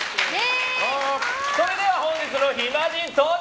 それでは本日の暇人、登場！